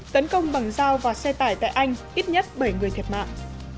tấn công bằng dao và xe tải tại anh ít nhất bảy người thiệt mạng